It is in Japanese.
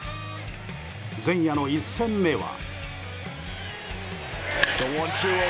前夜の１戦目は。